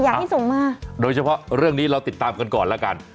อยากให้ส่งมาโดยเฉพาะเรื่องนี้เราติดตามกันก่อนแล้วกัน